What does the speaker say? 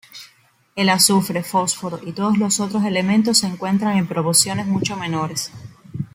El azufre, fósforo, y todos los otros elementos se encuentran en proporciones mucho menores.